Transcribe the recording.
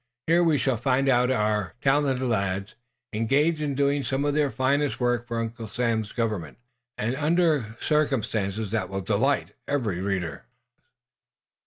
Here we shall find our talented lads engaged in doing some of their finest work for Uncle Sam's Government, and under circumstances that will delight every reader.